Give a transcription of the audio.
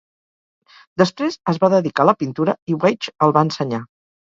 Després es va dedicar a la pintura i Weitsch el va ensenyar.